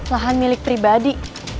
lahan milik pribadi